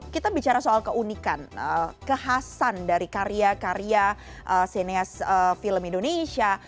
kita bicara soal keunikan kekhasan dari karya karya sineas film indonesia